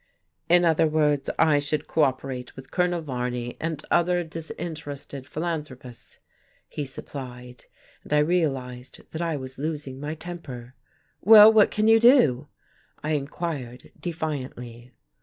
"In other words, I should cooperate with Colonel Varney and other disinterested philanthropists," he supplied, and I realized that I was losing my temper. "Well, what can you do?" I inquired defiantly.